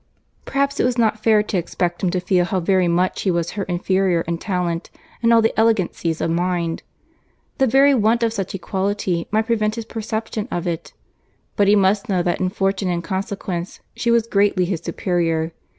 Perhaps it was not fair to expect him to feel how very much he was her inferior in talent, and all the elegancies of mind. The very want of such equality might prevent his perception of it; but he must know that in fortune and consequence she was greatly his superior.